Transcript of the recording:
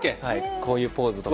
こういうポーズとか。